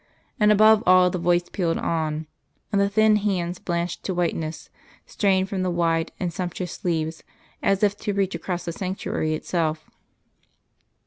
And above all the voice pealed on and the thin hands blanched to whiteness strained from the wide and sumptuous sleeves as if to reach across the sanctuary itself.